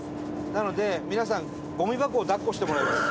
なので、皆さんゴミ箱を抱っこしてもらいます。